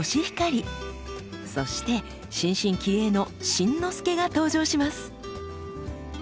そして新進気鋭の「新之助」が登場します。